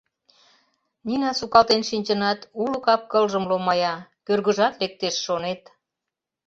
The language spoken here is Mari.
Нина сукалтен шинчынат, уло кап-кылжым ломая, кӧргыжат лектеш, шонет...